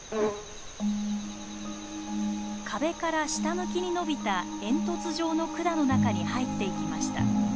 壁から下向きにのびた煙突状の管の中に入っていきました。